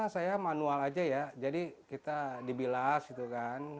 saya manual aja ya jadi kita dibilas gitu kan